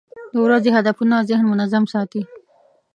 د ورځې هدفونه ذهن منظم ساتي.